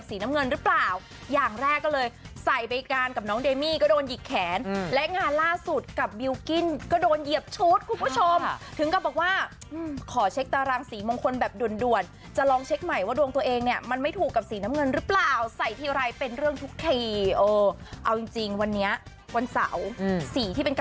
น้ำเงินหรือเปล่าอย่างแรกก็เลยใส่ไปการกับน้องเดมี่ก็โดนหยิกแขนและงานล่าสุดกับบิลกิ้นก็โดนเหยียบชุดคุณผู้ชมถึงกับบอกว่าขอเช็คตารางสีมงคลแบบด่วนด่วนจะลองเช็คใหม่ว่าดวงตัวเองเนี่ยมันไม่ถูกกับสีน้ำเงินหรือเปล่าใส่ทีไรเป็นเรื่องทุกทีเออเอาจริงวันนี้วันเสาร์สีที่เป็นก